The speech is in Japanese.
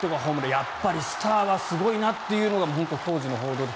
やっぱりスターはすごいなっていうのが当時の報道で。